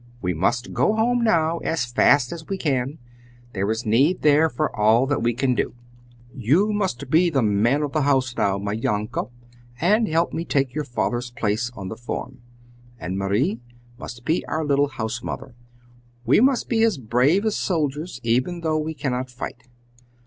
We must go home now as fast as we can. There is need there for all that we can do! You must be the man of the house now, my Janke, and help me take your father's place on the farm; and Marie must be our little house mother. We must be as brave as soldiers, even though we cannot fight."